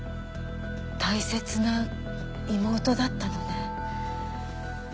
大切な妹だったのね。